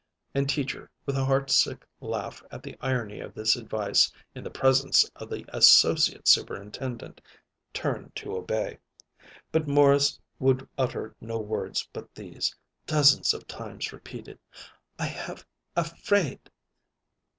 And Teacher, with a heart sick laugh at the irony of this advice in the presence of the Associate Superintendent, turned to obey. But Morris would utter no words but these, dozens of times repeated: "I have a fraid."